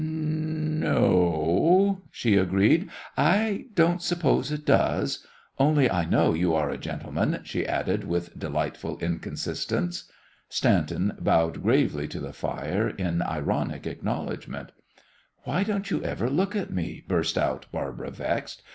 "No o o," she agreed, "I don't suppose it does. Only I know you are a gentleman," she added, with delightful inconsistence. Stanton bowed gravely to the fire in ironic acknowledgment. "Why don't you ever look at me?" burst out Barbara, vexed.